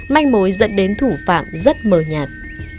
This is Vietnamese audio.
manh mối dẫn đến thủ phạm rất mờ nhạt